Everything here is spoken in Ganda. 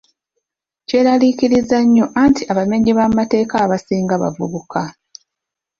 Kyeraliikiriza nnyo anti abamenyi b'amateeka abasinga bavubuka.